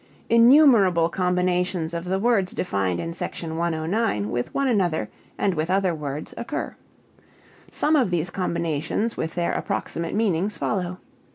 Innumerable combinations of the words defined in Sec. 109 with one another and with other words occur. Some of these combinations with their approximate meanings follow.